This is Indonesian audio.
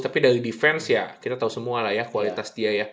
tapi dari defense ya kita tahu semua lah ya kualitas dia ya